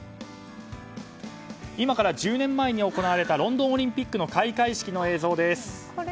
今から１０年前に行われたロンドンオリンピックの開会式の映像です。